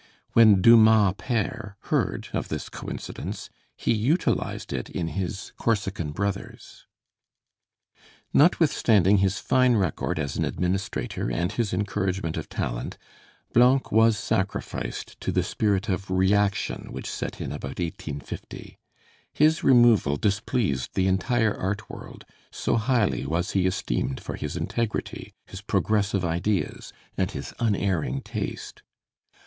When Dumas père heard of this coincidence, he utilized it in his 'Corsican Brothers.' Notwithstanding his fine record as an administrator and his encouragement of talent, Blanc was sacrificed to the spirit of reaction which set in about 1850. His removal displeased the entire art world, so highly was he esteemed for his integrity, his progressive ideas, and his unerring taste.